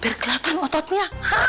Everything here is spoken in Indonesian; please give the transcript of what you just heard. biar kelihatan ototnya